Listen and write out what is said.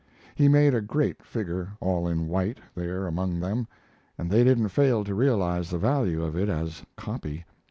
He made a great figure, all in white there among them, and they didn't fail to realize the value of it as "copy."